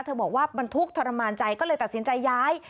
บอกว่าบรรทุกทรมานใจก็เลยตัดสินใจย้าย